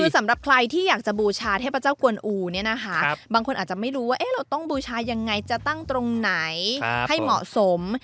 สำหรับใครที่อยากจะบูชาเทพเจ้ากวนอูเนี่ยนะคะบางคนอาจจะไม่รู้ว่าเราต้องบูชายังไงจะตั้งตรงไหนให้เหมาะสม